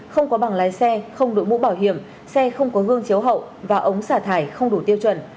không có bảng lái xe không đội mũ bảo hiểm xe không có gương chiếu hậu và ống xả thải không đủ tiêu chuẩn